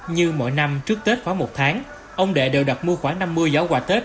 như mỗi năm trước tết khoảng một tháng ông đệ đều đặt mua khoảng năm mươi giỏ quà tết